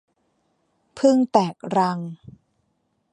ผึ้งแตกรัง